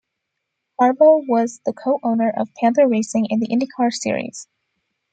Harbaugh was the co-owner of Panther Racing in the IndyCar Series.